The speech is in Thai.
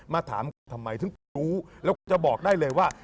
มาถามทำไมถึงรู้แล้วจะบอกได้เลยว่า